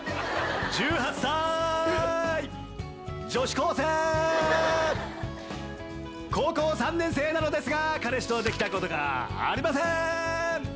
「高校３年生なのですが彼氏できたことがありません！